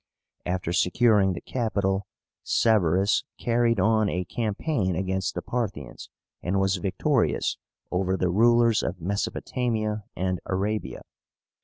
After securing the capital, Sevérus carried on a campaign against the Parthians, and was victorious over the rulers of Mesopotamia and Arabia.